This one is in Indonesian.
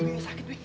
wih sakit wi